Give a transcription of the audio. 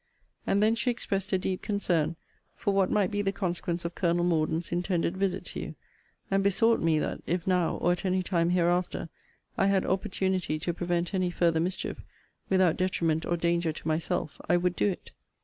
And then she expressed a deep concern for what might be the consequence of Colonel Morden's intended visit to you; and besought me, that if now, or at any time hereafter, I had opportunity to prevent any further mischief, without detriment or danger to myself, I would do it.